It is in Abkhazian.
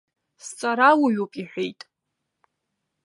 Сҵарауаҩуп иҳәеит.